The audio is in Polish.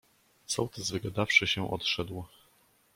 "Sołtys wygadawszy się odszedł."